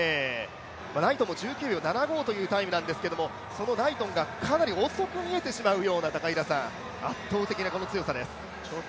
ナイトンも１７秒９５というタイムなんですが、そのナイトンが遅く見えてしまうよな、圧倒的な強さです。